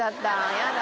やだ。